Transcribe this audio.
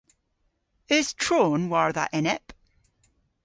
Eus tron war dha enep?